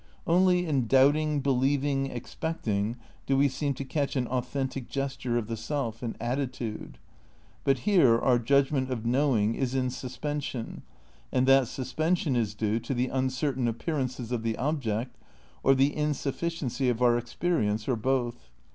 Only in doubting, believing, expecting, do we seem to catch an authentic gesture of the self, an attitude. But here our judgment of knowing is in suspension and that suspension is due to the uncertain appear ances of the object, or the insufficiency of our experi ence, or both.